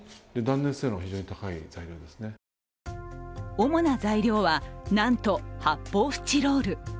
主な材料はなんと発泡スチロール。